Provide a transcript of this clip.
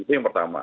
itu yang pertama